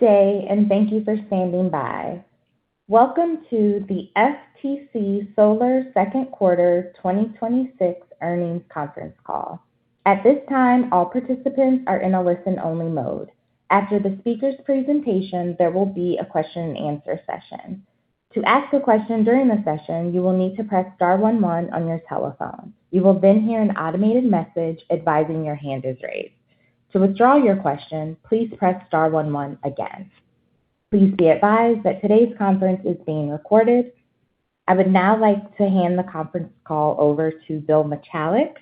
Good day. Thank you for standing by. Welcome to the FTC Solar Q2 2026 earnings conference call. At this time, all participants are in a listen-only mode. After the speakers' presentation, there will be a question and answer session. To ask a question during the session, you will need to press star one one on your telephone. You will then hear an automated message advising your hand is raised. To withdraw your question, please press star one one again. Please be advised that today's conference is being recorded. I would now like to hand the conference call over to Bill Michalek.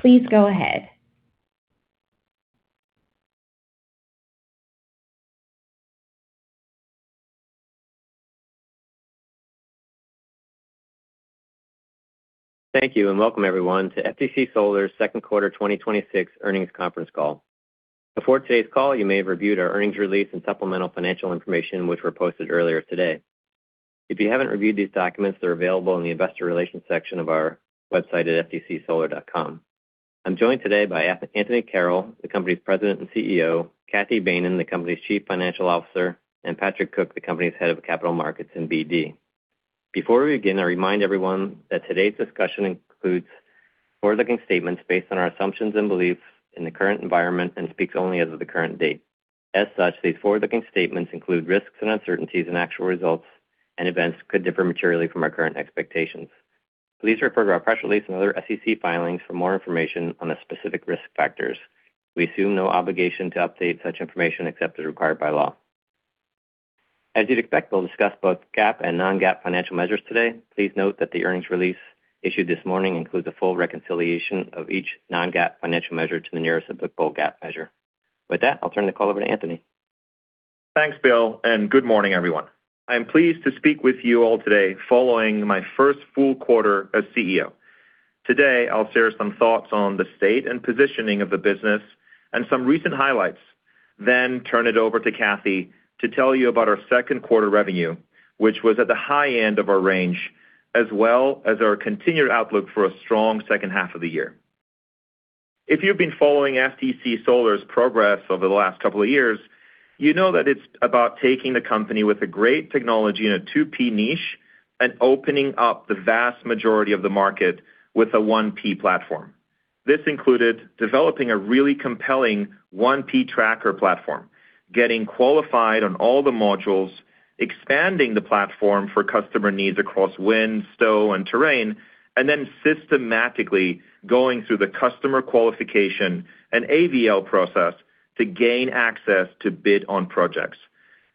Please go ahead. Thank you. Welcome everyone to FTC Solar's Q2 2026 earnings conference call. Before today's call, you may have reviewed our earnings release and supplemental financial information, which were posted earlier today. If you haven't reviewed these documents, they're available in the investor relations section of our website at ftcsolar.com. I'm joined today by Anthony Carroll, the company's President and Chief Executive Officer, Cathy Behnen, the company's Chief Financial Officer, and Patrick Cook, the company's head of capital markets and BD. Before we begin, I remind everyone that today's discussion includes forward-looking statements based on our assumptions and beliefs in the current environment and speaks only as of the current date. These forward-looking statements include risks and uncertainties. Actual results and events could differ materially from our current expectations. Please refer to our press release and other SEC filings for more information on the specific risk factors. We assume no obligation to update such information except as required by law. As you'd expect, we'll discuss both GAAP and non-GAAP financial measures today. Please note that the earnings release issued this morning includes a full reconciliation of each non-GAAP financial measure to the nearest applicable GAAP measure. With that, I'll turn the call over to Anthony. Thanks, Bill. Good morning, everyone. I am pleased to speak with you all today following my first full quarter as CEO. Today, I'll share some thoughts on the state and positioning of the business and some recent highlights. Turn it over to Kathy to tell you about our Q2 revenue, which was at the high end of our range, as well as our continued outlook for a strong second half of the year. If you've been following FTC Solar's progress over the last couple of years, you know that it's about taking the company with a great technology and a 2P niche and opening up the vast majority of the market with a 1P platform. This included developing a really compelling 1P tracker platform, getting qualified on all the modules, expanding the platform for customer needs across wind, snow, and terrain, and then systematically going through the customer qualification and AVL process to gain access to bid on projects.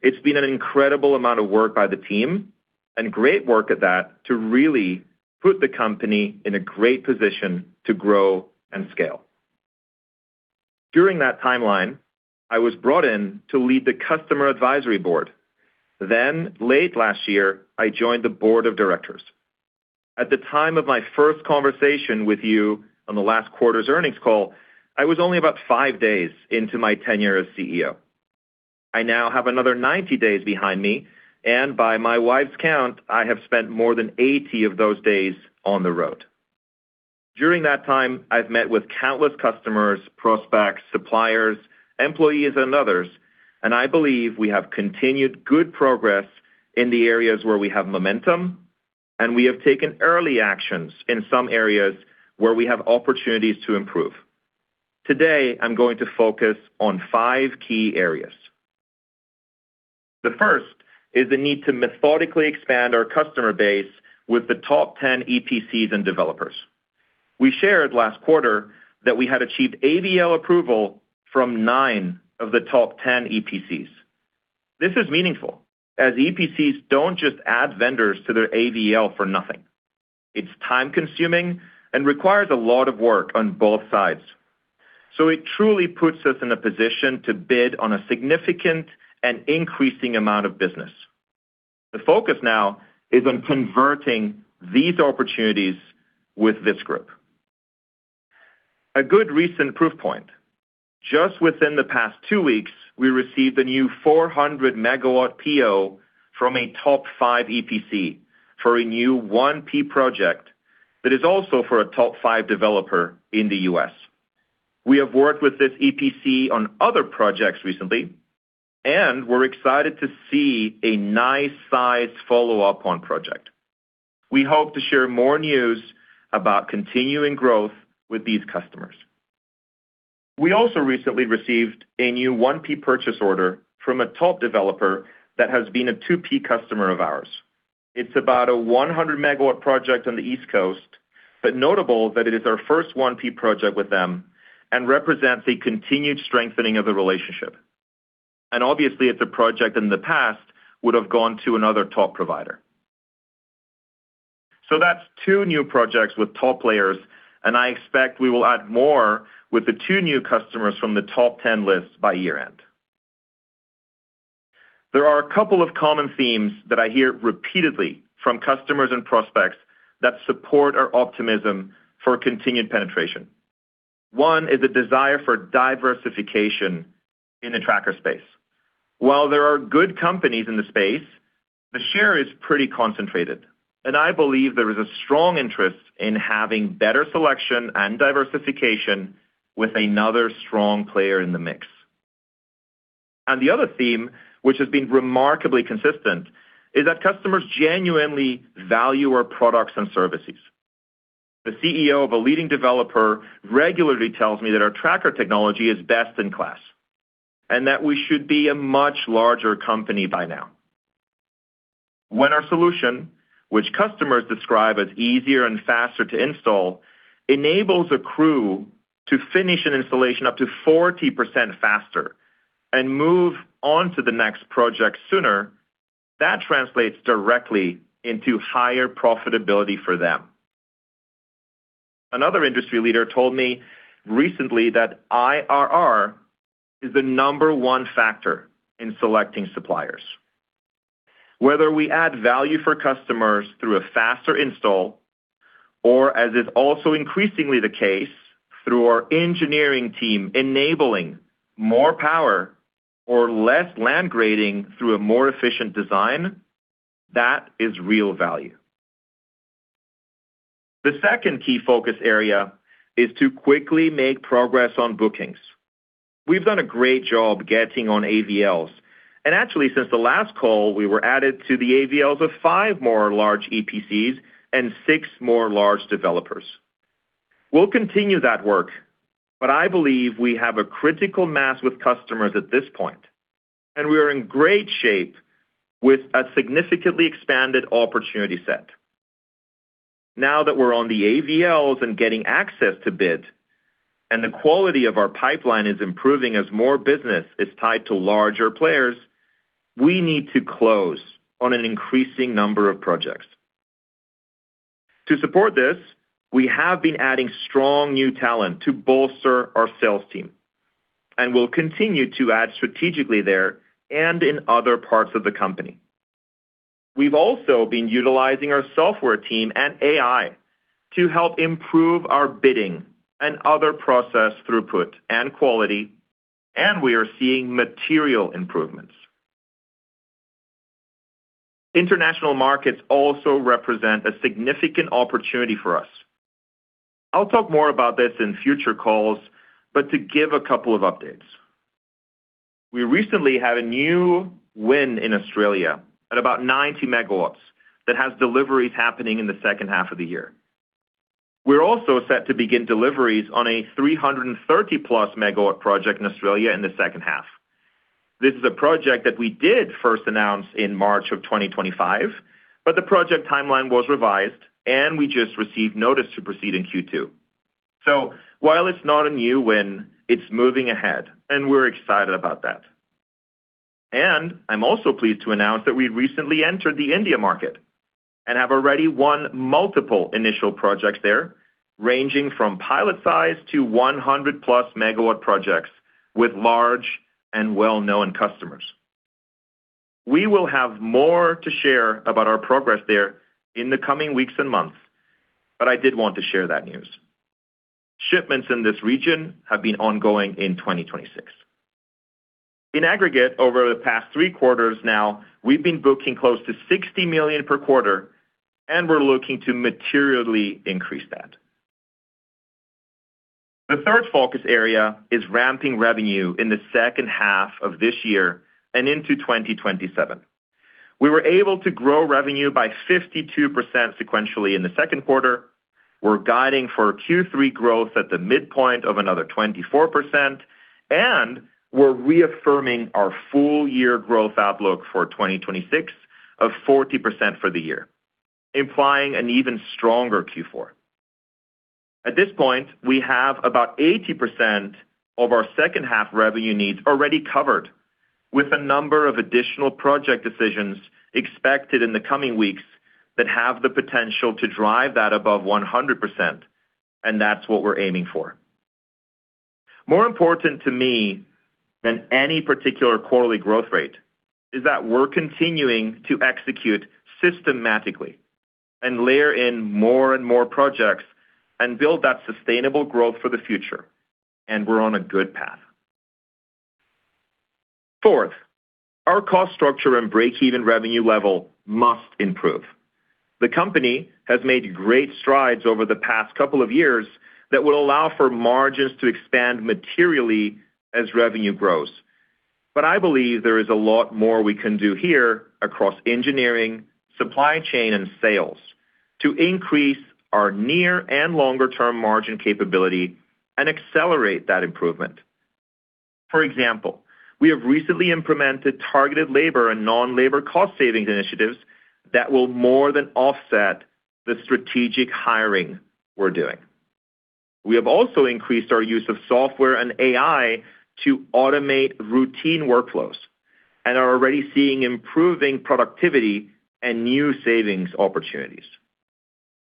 It's been an incredible amount of work by the team, and great work at that, to really put the company in a great position to grow and scale. During that timeline, I was brought in to lead the customer advisory board. Late last year, I joined the board of directors. At the time of my first conversation with you on the last quarter's earnings call, I was only about five days into my tenure as CEO. I now have another 90 days behind me, and by my wife's count, I have spent more than 80 of those days on the road. During that time, I've met with countless customers, prospects, suppliers, employees, and others, and I believe we have continued good progress in the areas where we have momentum, and we have taken early actions in some areas where we have opportunities to improve. Today, I'm going to focus on five key areas. The first is the need to methodically expand our customer base with the top 10 EPCs and developers. We shared last quarter that we had achieved AVL approval from nine of the top 10 EPCs. This is meaningful, as EPCs don't just add vendors to their AVL for nothing. It's time-consuming and requires a lot of work on both sides. It truly puts us in a position to bid on a significant and increasing amount of business. The focus now is on converting these opportunities with this group. A good recent proof point, just within the past two weeks, we received a new 400-megawatt PO from a top five EPC for a new 1P project that is also for a top five developer in the U.S. We have worked with this EPC on other projects recently, and we're excited to see a nice size follow-up on project. We hope to share more news about continuing growth with these customers. We also recently received a new 1P purchase order from a top developer that has been a 2P customer of ours. It's about a 100-megawatt project on the East Coast, but notable that it is our first 1P project with them and represents a continued strengthening of the relationship. Obviously, it's a project in the past would have gone to another top provider. That's two new projects with top players, and I expect we will add more with the two new customers from the top 10 list by year-end. There are a couple of common themes that I hear repeatedly from customers and prospects that support our optimism for continued penetration. One is a desire for diversification in the tracker space. While there are good companies in the space The share is pretty concentrated, and I believe there is a strong interest in having better selection and diversification with another strong player in the mix. The other theme, which has been remarkably consistent, is that customers genuinely value our products and services. The CEO of a leading developer regularly tells me that our tracker technology is best in class, and that we should be a much larger company by now. When our solution, which customers describe as easier and faster to install, enables a crew to finish an installation up to 40% faster and move on to the next project sooner, that translates directly into higher profitability for them. Another industry leader told me recently that IRR is the number one factor in selecting suppliers. Whether we add value for customers through a faster install or, as is also increasingly the case, through our engineering team enabling more power or less land grading through a more efficient design, that is real value. The second key focus area is to quickly make progress on bookings. We've done a great job getting on AVLs, actually since the last call, we were added to the AVLs of five more large EPCs and six more large developers. We'll continue that work, I believe we have a critical mass with customers at this point, and we are in great shape with a significantly expanded opportunity set. Now that we're on the AVLs and getting access to bids, the quality of our pipeline is improving as more business is tied to larger players, we need to close on an increasing number of projects. To support this, we have been adding strong new talent to bolster our sales team, we'll continue to add strategically there and in other parts of the company. We've also been utilizing our software team and AI to help improve our bidding and other process throughput and quality, we are seeing material improvements. International markets also represent a significant opportunity for us. I'll talk more about this in future calls, to give a couple of updates. We recently had a new win in Australia at about 90 MW that has deliveries happening in the second half of the year. We're also set to begin deliveries on a 330-plus-megawatt project in Australia in the second half. This is a project that we did first announce in March of 2025, the project timeline was revised, we just received notice to proceed in Q2. While it's not a new win, it's moving ahead, we're excited about that. I'm also pleased to announce that we recently entered the India market have already won multiple initial projects there, ranging from pilot size to 100-plus-megawatt projects with large and well-known customers. We will have more to share about our progress there in the coming weeks and months, I did want to share that news. Shipments in this region have been ongoing in 2026. In aggregate, over the past three quarters now, we've been booking close to $60 million per quarter, we're looking to materially increase that. The third focus area is ramping revenue in the second half of this year and into 2027. We were able to grow revenue by 52% sequentially in the Q2. We're guiding for Q3 growth at the midpoint of another 24%, we're reaffirming our full year growth outlook for 2026 of 40% for the year, implying an even stronger Q4. At this point, we have about 80% of our second half revenue needs already covered, with a number of additional project decisions expected in the coming weeks that have the potential to drive that above 100%, that's what we're aiming for. More important to me than any particular quarterly growth rate is that we're continuing to execute systematically and layer in more and more projects and build that sustainable growth for the future, and we're on a good path. Fourth, our cost structure and break-even revenue level must improve. The company has made great strides over the past couple of years that will allow for margins to expand materially as revenue grows. I believe there is a lot more we can do here across engineering, supply chain, and sales to increase our near and longer-term margin capability and accelerate that improvement. For example, we have recently implemented targeted labor and non-labor cost-saving initiatives that will more than offset the strategic hiring we're doing. We have also increased our use of software and AI to automate routine workflows and are already seeing improving productivity and new savings opportunities.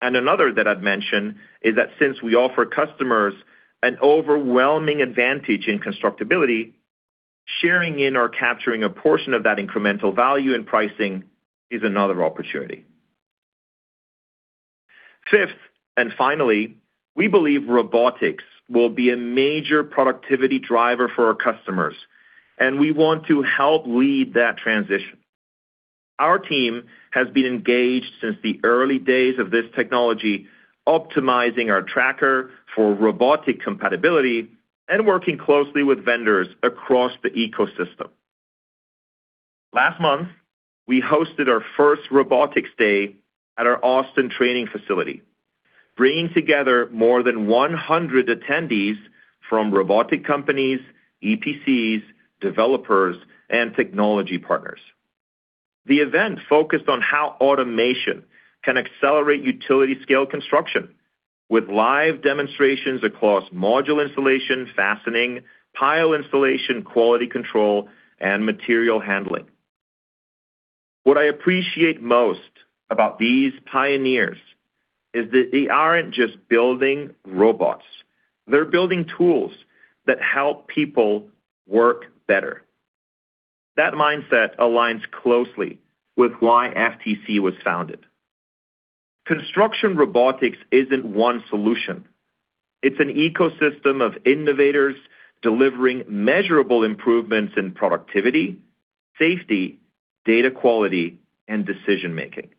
Another that I'd mention is that since we offer customers an overwhelming advantage in constructability, sharing in or capturing a portion of that incremental value in pricing is another opportunity. Fifth, and finally, we believe robotics will be a major productivity driver for our customers, and we want to help lead that transition. Our team has been engaged since the early days of this technology, optimizing our tracker for robotic compatibility and working closely with vendors across the ecosystem. Last month, we hosted our first robotics day at our Austin training facility, bringing together more than 100 attendees from robotic companies, EPCs, developers, and technology partners. The event focused on how automation can accelerate utility-scale construction with live demonstrations across module installation, fastening, pile installation, quality control, and material handling. What I appreciate most about these pioneers is that they aren't just building robots. They're building tools that help people work better. That mindset aligns closely with why FTC was founded. Construction robotics isn't one solution. It's an ecosystem of innovators delivering measurable improvements in productivity, safety, data quality, and decision-making.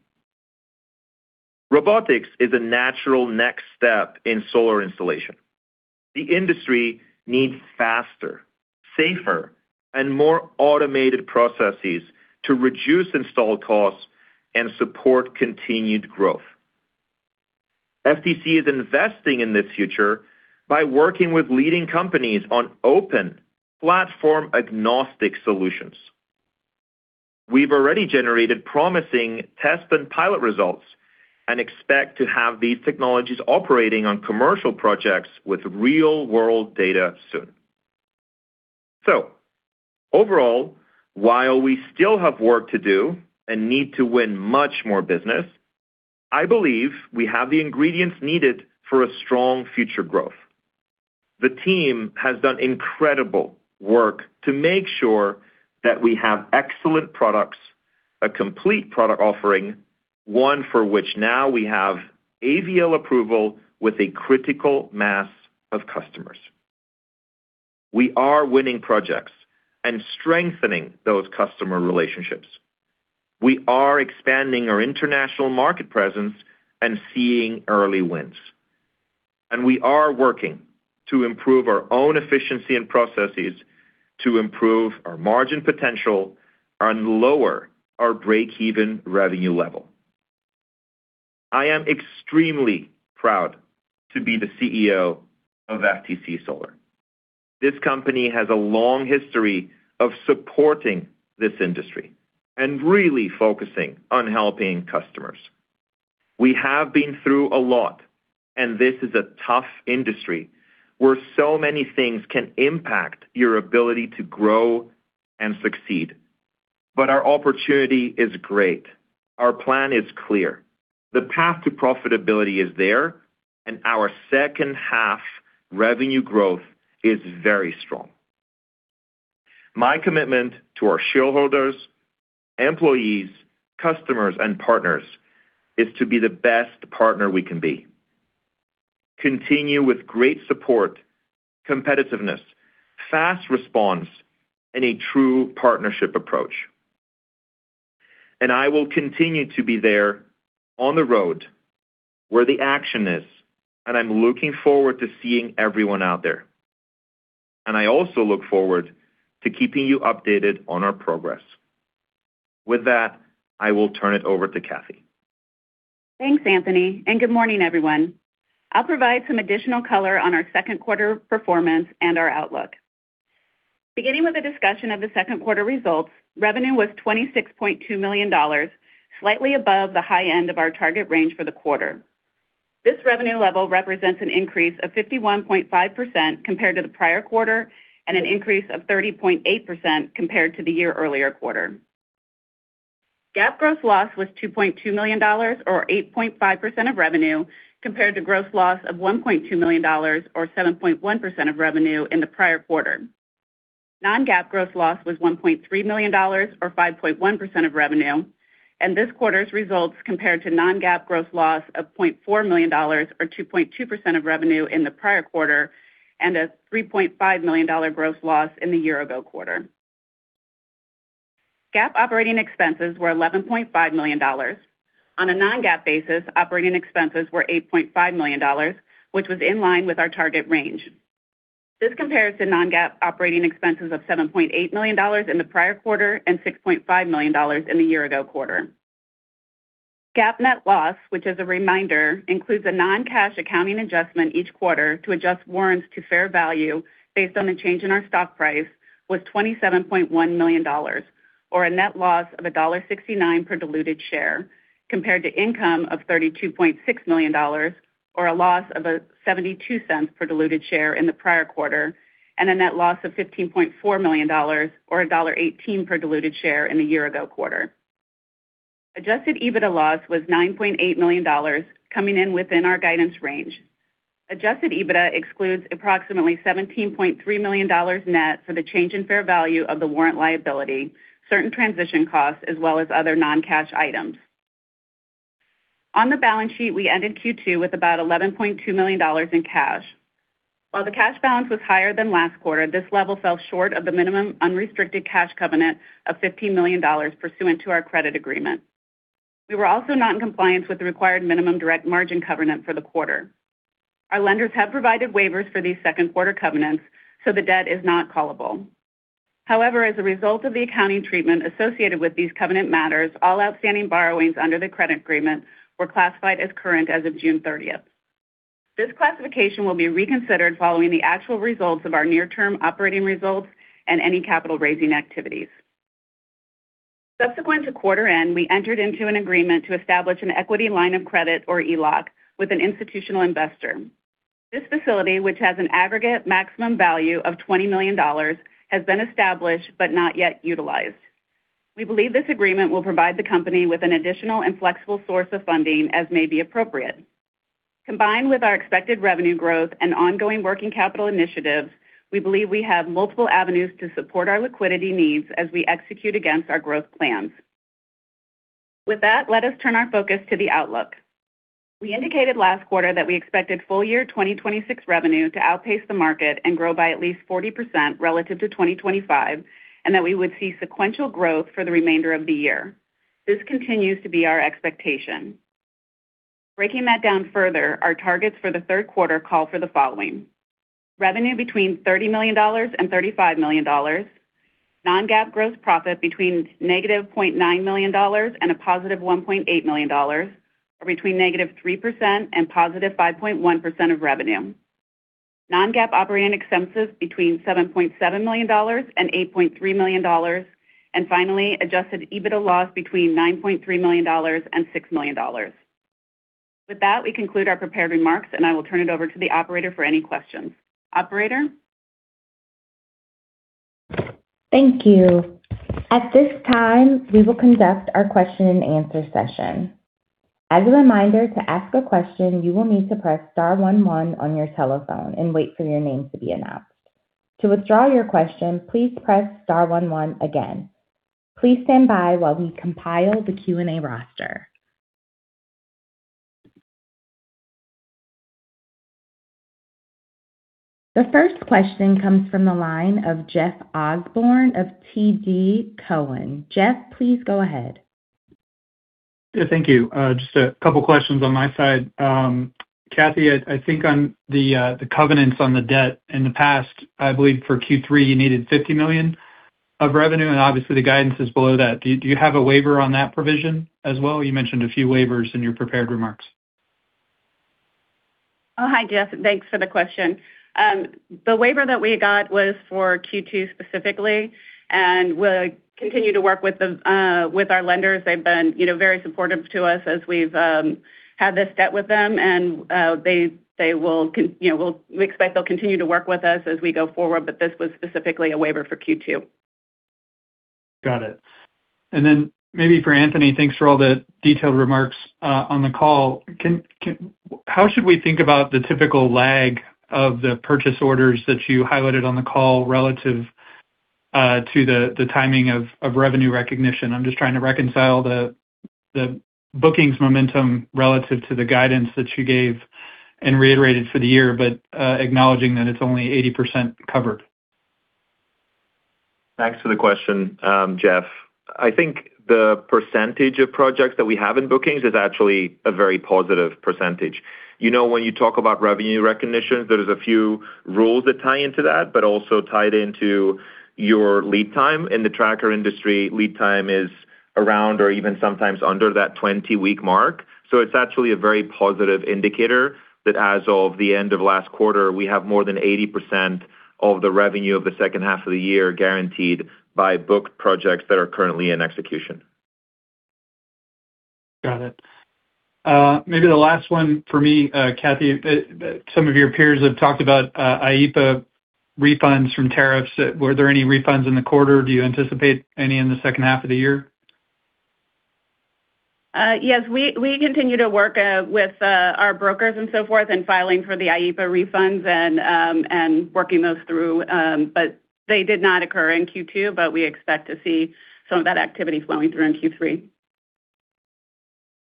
Robotics is a natural next step in solar installation. The industry needs faster, safer, and more automated processes to reduce install costs and support continued growth. FTC is investing in this future by working with leading companies on open platform-agnostic solutions. We've already generated promising test and pilot results and expect to have these technologies operating on commercial projects with real-world data soon. Overall, while we still have work to do and need to win much more business, I believe we have the ingredients needed for a strong future growth. The team has done incredible work to make sure that we have excellent products, a complete product offering, one for which now we have AVL approval with a critical mass of customers. We are winning projects and strengthening those customer relationships. We are expanding our international market presence and seeing early wins. We are working to improve our own efficiency and processes to improve our margin potential and lower our breakeven revenue level. I am extremely proud to be the CEO of FTC Solar. This company has a long history of supporting this industry and really focusing on helping customers. We have been through a lot, and this is a tough industry where so many things can impact your ability to grow and succeed. Our opportunity is great. Our plan is clear. The path to profitability is there, and our second half revenue growth is very strong. My commitment to our shareholders, employees, customers, and partners is to be the best partner we can be. Continue with great support, competitiveness, fast response, and a true partnership approach. I will continue to be there on the road where the action is, I'm looking forward to seeing everyone out there. I also look forward to keeping you updated on our progress. With that, I will turn it over to Cathy. Thanks, Anthony, good morning, everyone. I'll provide some additional color on our Q2 performance and our outlook. Beginning with a discussion of the Q2 results, revenue was $26.2 million, slightly above the high end of our target range for the quarter. This revenue level represents an increase of 51.5% compared to the prior quarter, an increase of 30.8% compared to the year earlier quarter. GAAP gross loss was $2.2 million, or 8.5% of revenue, compared to gross loss of $1.2 million, or 7.1% of revenue, in the prior quarter. Non-GAAP gross loss was $1.3 million or 5.1% of revenue, this quarter's results compared to non-GAAP gross loss of $0.4 million, or 2.2% of revenue in the prior quarter, and a $3.5 million gross loss in the year ago quarter. GAAP operating expenses were $11.5 million. On a non-GAAP basis, operating expenses were $8.5 million, which was in line with our target range. This compares to non-GAAP operating expenses of $7.8 million in the prior quarter and $6.5 million in the year ago quarter. GAAP net loss, which as a reminder, includes a non-cash accounting adjustment each quarter to adjust warrants to fair value based on a change in our stock price, was $27.1 million, or a net loss of $1.69 per diluted share, compared to income of $32.6 million, or a loss of $0.72 per diluted share in the prior quarter, a net loss of $15.4 million or $1.18 per diluted share in the year ago quarter. Adjusted EBITDA loss was $9.8 million, coming in within our guidance range. Adjusted EBITDA excludes approximately $17.3 million net for the change in fair value of the warrant liability, certain transition costs, as well as other non-cash items. On the balance sheet, we ended Q2 with about $11.2 million in cash. While the cash balance was higher than last quarter, this level fell short of the minimum unrestricted cash covenant of $15 million pursuant to our credit agreement. We were also not in compliance with the required minimum direct margin covenant for the quarter. Our lenders have provided waivers for these Q2 covenants, so the debt is not callable. However, as a result of the accounting treatment associated with these covenant matters, all outstanding borrowings under the credit agreement were classified as current as of June 30th. This classification will be reconsidered following the actual results of our near-term operating results and any capital-raising activities. Subsequent to quarter end, we entered into an agreement to establish an equity line of credit, or ELOC, with an institutional investor. This facility, which has an aggregate maximum value of $20 million, has been established but not yet utilized. We believe this agreement will provide the company with an additional and flexible source of funding as may be appropriate. Combined with our expected revenue growth and ongoing working capital initiatives, we believe we have multiple avenues to support our liquidity needs as we execute against our growth plans. With that, let us turn our focus to the outlook. We indicated last quarter that we expected full year 2026 revenue to outpace the market and grow by at least 40% relative to 2025, and that we would see sequential growth for the remainder of the year. This continues to be our expectation. Breaking that down further, our targets for the Q3 call for the following: Revenue between $30 million and $35 million. Non-GAAP gross profit between negative $0.9 million and a positive $1.8 million, or between negative 3% and positive 5.1% of revenue. Non-GAAP operating expenses between $7.7 million and $8.3 million. Finally, adjusted EBITDA loss between $9.3 million and $6 million. With that, we conclude our prepared remarks, and I will turn it over to the operator for any questions. Operator? Thank you. At this time, we will conduct our question and answer session. As a reminder, to ask a question, you will need to press one one on your telephone and wait for your name to be announced. To withdraw your question, please press one one again. Please stand by while we compile the Q&A roster. The first question comes from the line of Jeff Osborne of TD Cowen. Jeff, please go ahead. Yeah, thank you. Just a couple questions on my side. Cathy, I think on the covenants on the debt in the past, I believe for Q3, you needed $50 million of revenue, and obviously, the guidance is below that. Do you have a waiver on that provision as well? You mentioned a few waivers in your prepared remarks. Hi, Jeff. Thanks for the question. The waiver that we got was for Q2 specifically. We'll continue to work with our lenders. They've been very supportive to us as we've had this debt with them. We expect they'll continue to work with us as we go forward. This was specifically a waiver for Q2. Got it. Maybe for Anthony, thanks for all the detailed remarks on the call. How should we think about the typical lag of the purchase orders that you highlighted on the call relative to the timing of revenue recognition? I'm just trying to reconcile the bookings momentum relative to the guidance that you gave and reiterated for the year, acknowledging that it's only 80% covered. Thanks for the question, Jeff. I think the percentage of projects that we have in bookings is actually a very positive percentage. When you talk about revenue recognitions, there's a few rules that tie into that, also tied into your lead time. In the tracker industry, lead time is around or even sometimes under that 20-week mark. It's actually a very positive indicator that as of the end of last quarter, we have more than 80% of the revenue of the second half of the year guaranteed by booked projects that are currently in execution. Got it. Maybe the last one for me, Cathy. Some of your peers have talked about IEEPA refunds from tariffs. Were there any refunds in the quarter? Do you anticipate any in the second half of the year? Yes, we continue to work with our brokers and so forth in filing for the IEEPA refunds and working those through. They did not occur in Q2, we expect to see some of that activity flowing through in Q3.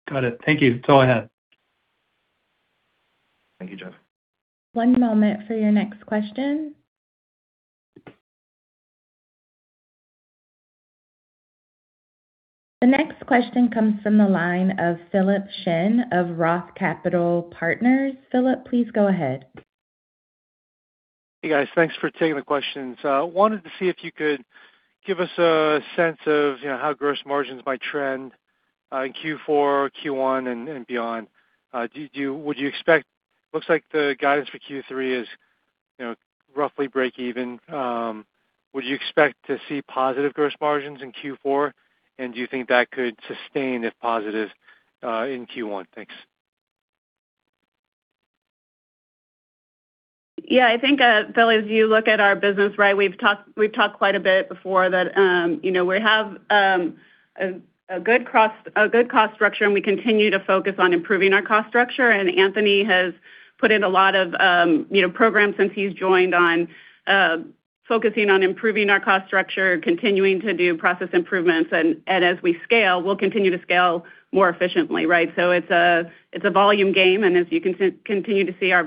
Got it. Thank you. That's all I had. Thank you, Jeff. One moment for your next question. The next question comes from the line of Philip Shen of Roth Capital Partners. Philip, please go ahead. Hey, guys. Thanks for taking the questions. I wanted to see if you could give us a sense of how gross margins might trend in Q4, Q1, and beyond. Looks like the guidance for Q3 is roughly break even. Would you expect to see positive gross margins in Q4, and do you think that could sustain if positive in Q1? Thanks. Yeah, I think, Phil, as you look at our business, we've talked quite a bit before that we have a good cost structure, and we continue to focus on improving our cost structure. Anthony has put in a lot of programs since he's joined on focusing on improving our cost structure, continuing to do process improvements. As we scale, we'll continue to scale more efficiently. It's a volume game, and as you continue to see our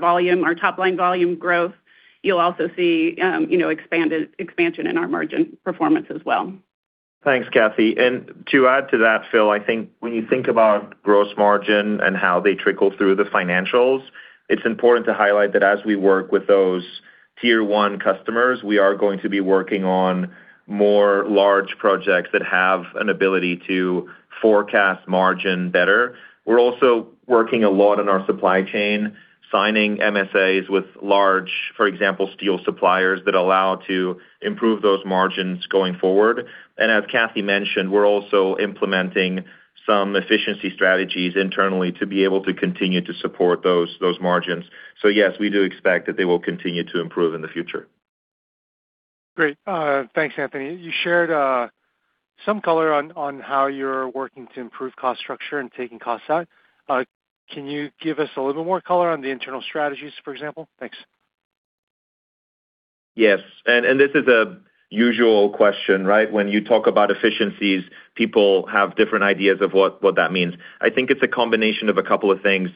top-line volume growth, you'll also see expansion in our margin performance as well. Thanks, Cathy. To add to that, Phil, I think when you think about gross margin and how they trickle through the financials, it's important to highlight that as we work with those tier 1 customers, we are going to be working on more large projects that have an ability to forecast margin better. We're also working a lot on our supply chain, signing MSAs with large, for example, steel suppliers that allow to improve those margins going forward. As Cathy mentioned, we're also implementing some efficiency strategies internally to be able to continue to support those margins. Yes, we do expect that they will continue to improve in the future. Great. Thanks, Anthony. You shared some color on how you're working to improve cost structure and taking costs out. Can you give us a little bit more color on the internal strategies, for example? Thanks. Yes. This is a usual question. When you talk about efficiencies, people have different ideas of what that means. I think it's a combination of a couple of things.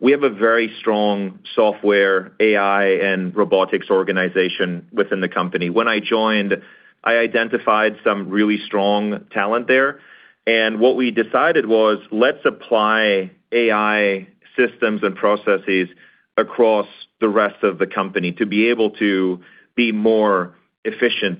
We have a very strong software, AI, and robotics organization within the company. When I joined, I identified some really strong talent there, and what we decided was, let's apply AI systems and processes across the rest of the company to be able to be more efficient,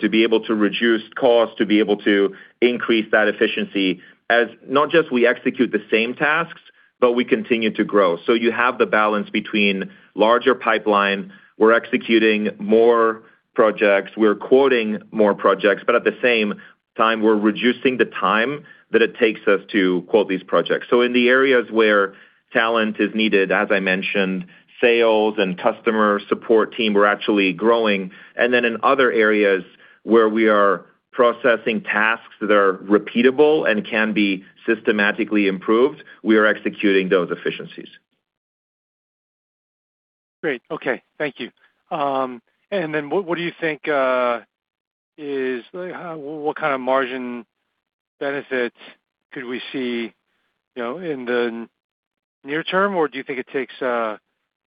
to be able to reduce costs, to be able to increase that efficiency as not just we execute the same tasks, but we continue to grow. You have the balance between larger pipeline. We're executing more projects, we're quoting more projects, but at the same time, we're reducing the time that it takes us to quote these projects. In the areas where talent is needed, as I mentioned, sales and customer support team, we're actually growing. In other areas where we are processing tasks that are repeatable and can be systematically improved, we are executing those efficiencies. Great. Okay. Thank you. What kind of margin benefits could we see in the near term, or do you think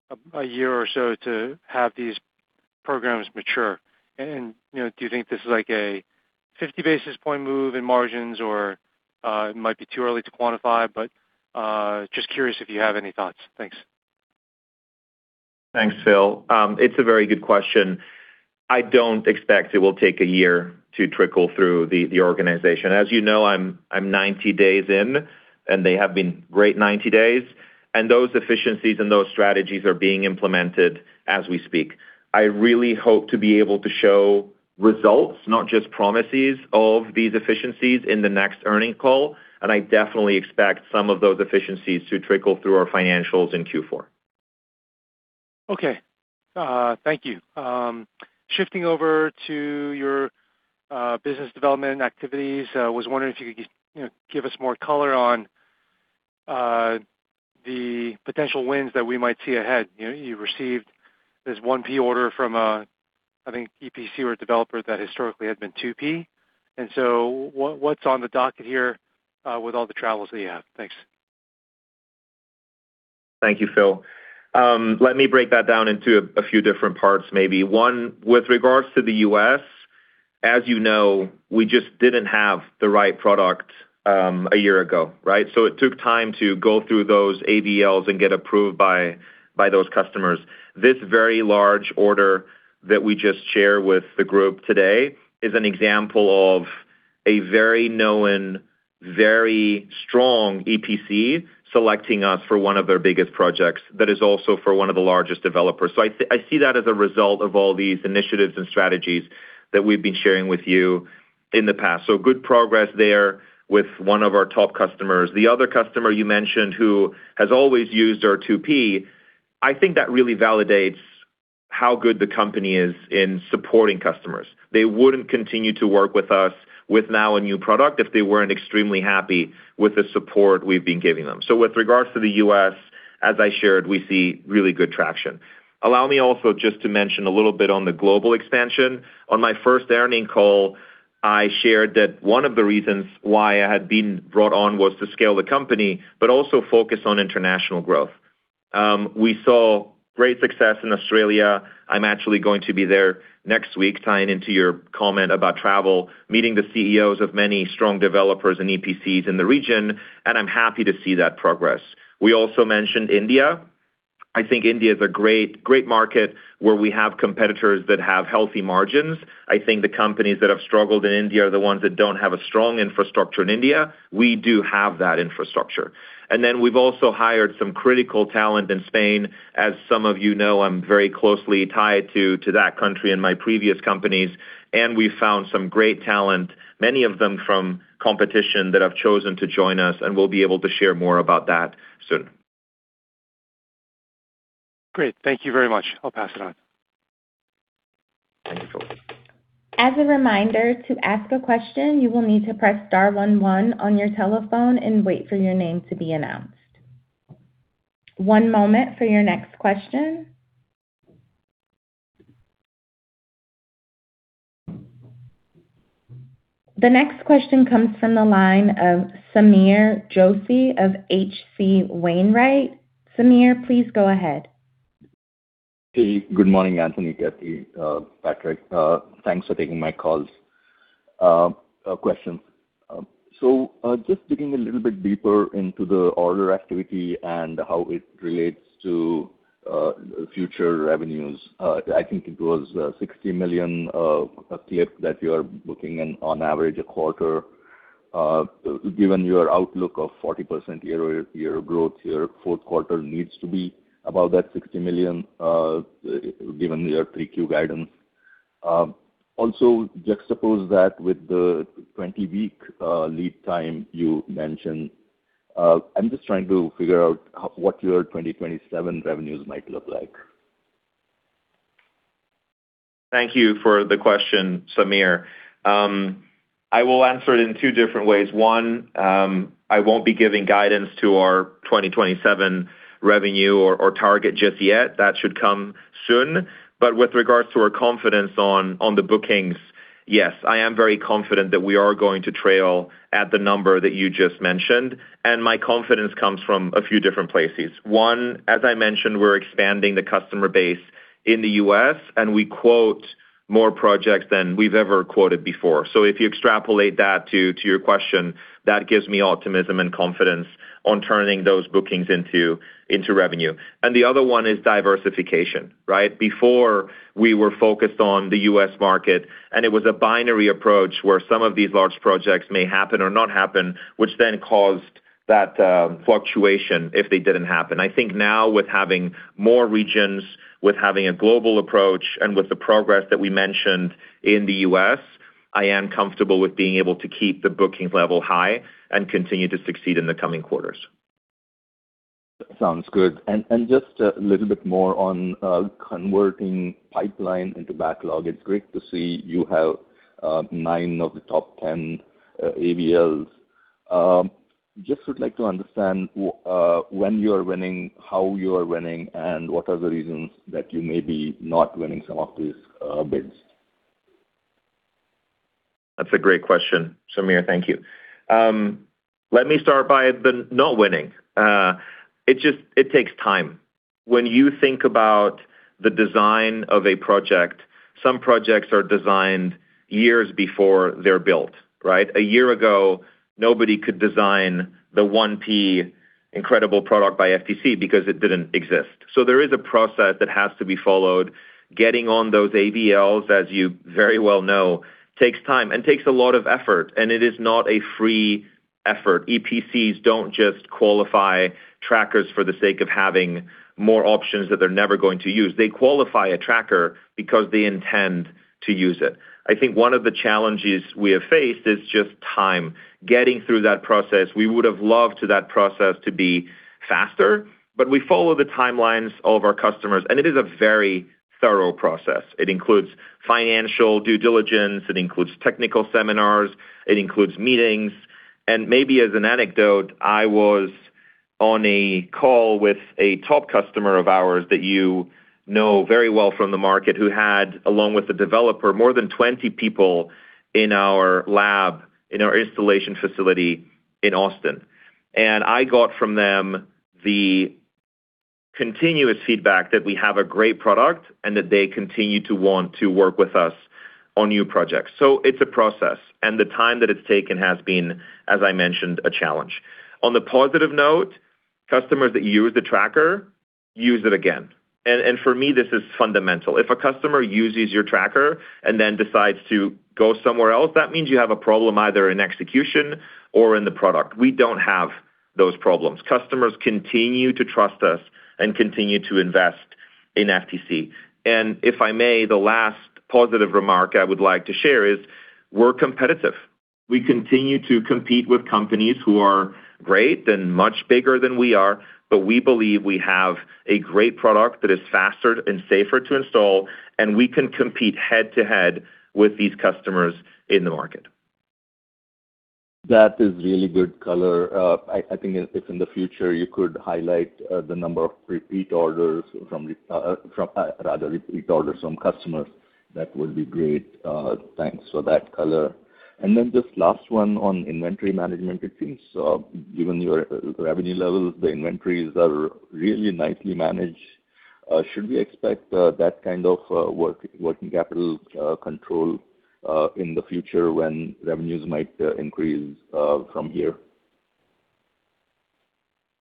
it takes a year or so to have these programs mature? Do you think this is like a 50 basis point move in margins, or it might be too early to quantify, but just curious if you have any thoughts. Thanks. Thanks, Phil. It's a very good question. I don't expect it will take a year to trickle through the organization. As you know, I'm 90 days in, and they have been great 90 days, and those efficiencies and those strategies are being implemented as we speak. I really hope to be able to show results, not just promises of these efficiencies in the next earning call, and I definitely expect some of those efficiencies to trickle through our financials in Q4. Okay. Thank you. Shifting over to your business development activities, I was wondering if you could give us more color on the potential wins that we might see ahead. You received this 1P order from, I think, EPC or a developer that historically had been 2P, and so what's on the docket here with all the travels that you have? Thanks. Thank you, Philip. Let me break that down into a few different parts, maybe. One, with regards to the U.S., as you know, we just didn't have the right product a year ago. It took time to go through those AVLs and get approved by those customers. This very large order that we just shared with the group today is an example of a very known, very strong EPC selecting us for one of their biggest projects that is also for one of the largest developers. I see that as a result of all these initiatives and strategies that we've been sharing with you in the past. Good progress there with one of our top customers. The other customer you mentioned who has always used our 2P, I think that really validates how good the company is in supporting customers. They wouldn't continue to work with us with now a new product if they weren't extremely happy with the support we've been giving them. With regards to the U.S., as I shared, we see really good traction. Allow me also just to mention a little bit on the global expansion. On my first earning call, I shared that one of the reasons why I had been brought on was to scale the company, but also focus on international growth. We saw great success in Australia. I'm actually going to be there next week, tying into your comment about travel, meeting the CEOs of many strong developers and EPCs in the region, and I'm happy to see that progress. We also mentioned India. I think India is a great market where we have competitors that have healthy margins. I think the companies that have struggled in India are the ones that don't have a strong infrastructure in India. We do have that infrastructure. We've also hired some critical talent in Spain. As some of you know, I'm very closely tied to that country in my previous companies, and we found some great talent, many of them from competition that have chosen to join us, and we'll be able to share more about that soon. Great. Thank you very much. I'll pass it on. Thank you. As a reminder, to ask a question, you will need to press star one one on your telephone and wait for your name to be announced. One moment for your next question. The next question comes from the line of Sameer Joshi of H.C. Wainwright. Sameer, please go ahead. Hey, good morning, Anthony, Cathy, Patrick. Thanks for taking my calls, questions. Just digging a little bit deeper into the order activity and how it relates to future revenues. I think it was $60 million of CapEx that you are booking on average a quarter. Given your outlook of 40% year-over-year growth, your fourth quarter needs to be above that $60 million, given your Q3 guidance. Juxtapose that with the 20-week lead time you mentioned. I'm just trying to figure out what your 2027 revenues might look like. Thank you for the question, Sameer. I will answer it in two different ways. One, I won't be giving guidance to our 2027 revenue or target just yet. That should come soon. With regards to our confidence on the bookings, yes, I am very confident that we are going to trail at the number that you just mentioned, and my confidence comes from a few different places. One, as I mentioned, we're expanding the customer base in the U.S., and we quote more projects than we've ever quoted before. If you extrapolate that to your question, that gives me optimism and confidence on turning those bookings into revenue. The other one is diversification, right? Before, we were focused on the U.S. market, it was a binary approach where some of these large projects may happen or not happen, which caused that fluctuation if they didn't happen. I think now with having more regions, with having a global approach, with the progress that we mentioned in the U.S., I am comfortable with being able to keep the bookings level high and continue to succeed in the coming quarters. Sounds good. Just a little bit more on converting pipeline into backlog. It's great to see you have nine of the top ten AVLs. Just would like to understand when you are winning, how you are winning, and what are the reasons that you may be not winning some of these bids. That's a great question, Samir. Thank you. Let me start by the not winning. It takes time. When you think about the design of a project, some projects are designed years before they're built, right? A year ago, nobody could design the 1P incredible product by FTC because it didn't exist. There is a process that has to be followed. Getting on those AVLs, as you very well know, takes time and takes a lot of effort, and it is not a free effort. EPCs don't just qualify trackers for the sake of having more options that they're never going to use. They qualify a tracker because they intend to use it. I think one of the challenges we have faced is just time, getting through that process. We would've loved for that process to be faster, we follow the timelines of our customers, it is a very thorough process. It includes financial due diligence. It includes technical seminars. It includes meetings. Maybe as an anecdote, I was on a call with a top customer of ours that you know very well from the market who had, along with the developer, more than 20 people in our lab, in our installation facility in Austin. I got from them the continuous feedback that we have a great product and that they continue to want to work with us on new projects. It's a process, and the time that it's taken has been, as I mentioned, a challenge. On the positive note, customers that use the tracker use it again. For me, this is fundamental. If a customer uses your tracker and then decides to go somewhere else, that means you have a problem either in execution or in the product. We don't have those problems. Customers continue to trust us and continue to invest in FTC. If I may, the last positive remark I would like to share is we're competitive. We continue to compete with companies who are great and much bigger than we are, but we believe we have a great product that is faster and safer to install, and we can compete head-to-head with these customers in the market. That is really good color. I think if in the future you could highlight the number of repeat orders from customers, that would be great. Thanks for that color. Just last one on inventory management. It seems, given your revenue levels, the inventories are really nicely managed. Should we expect that kind of working capital control in the future when revenues might increase from here?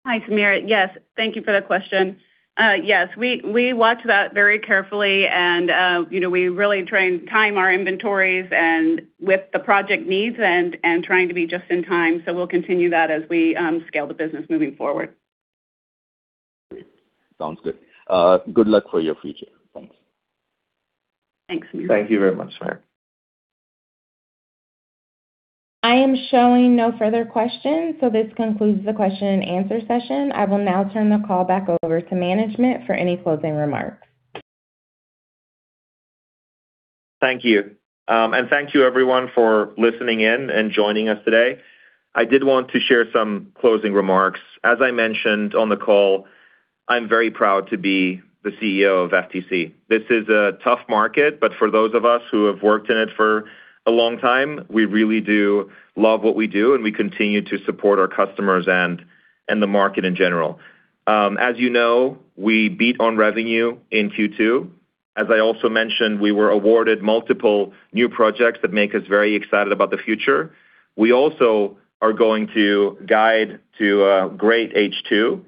Hi, Samir. Yes. Thank you for that question. Yes, we watch that very carefully and we really try and time our inventories and with the project needs and trying to be just in time. We'll continue that as we scale the business moving forward. Great. Sounds good. Good luck for your future. Thanks. Thanks, Samir. Thank you very much, Samir. I am showing no further questions, so this concludes the question and answer session. I will now turn the call back over to management for any closing remarks. Thank you. Thank you everyone for listening in and joining us today. I did want to share some closing remarks. As I mentioned on the call, I'm very proud to be the CEO of FTC. This is a tough market, but for those of us who have worked in it for a long time, we really do love what we do, and we continue to support our customers and the market in general. As you know, we beat on revenue in Q2. As I also mentioned, we were awarded multiple new projects that make us very excited about the future. We also are going to guide to a great H2,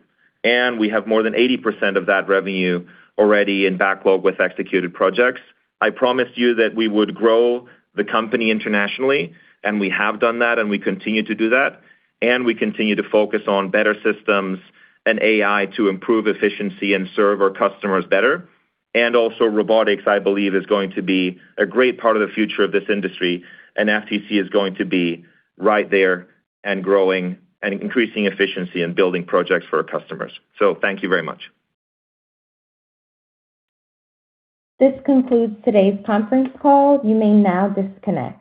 and we have more than 80% of that revenue already in backlog with executed projects. I promised you that we would grow the company internationally. We have done that. We continue to do that. We continue to focus on better systems and AI to improve efficiency and serve our customers better. Also robotics, I believe, is going to be a great part of the future of this industry. FTC is going to be right there and growing and increasing efficiency and building projects for our customers. Thank you very much. This concludes today's conference call. You may now disconnect.